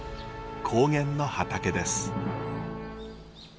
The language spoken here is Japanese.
高原の畑です。